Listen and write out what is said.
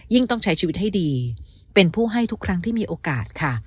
ต้องใช้ชีวิตให้ดีเป็นผู้ให้ทุกครั้งที่มีโอกาสค่ะ